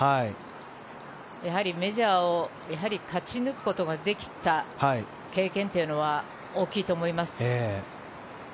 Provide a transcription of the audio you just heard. やはり、メジャーを勝ち抜くことができた経験というのは大きいと思います。